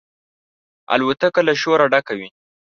الوتکه له شوره ډکه وي.